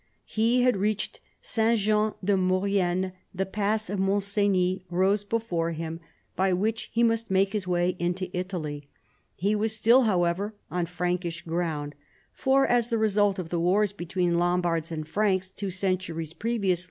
He had reached S. Jean de Mau rienne : the pass of Mont Cenis rose before him, by which he must make his way into Italy. He was still, however, on Prankish ground, for, as the result of the wars between Lombards and Franks two centuries previous!